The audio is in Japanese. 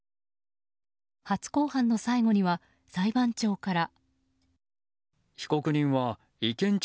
初公判の最後には、裁判長から。